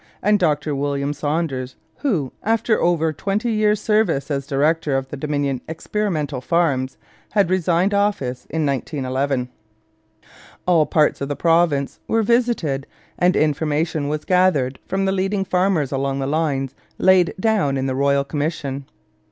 and Dr William Saunders, who, after over twenty years' service as director of the Dominion Experimental Farms, had resigned office in 1911. All parts of the province were visited and information was gathered from the leading farmers along the lines laid down in the royal commission.